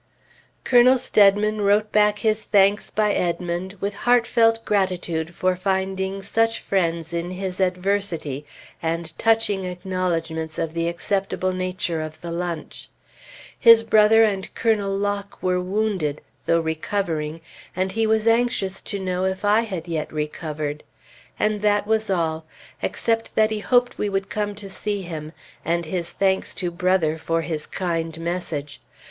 Colonel Steadman wrote back his thanks by Edmond, with heartfelt gratitude for finding such friends in his adversity, and touching acknowledgments of the acceptable nature of the lunch. His brother and Colonel Lock were wounded, though recovering, and he was anxious to know if I had yet recovered. And that was all, except that he hoped we would come to see him, and his thanks to Brother for his kind message.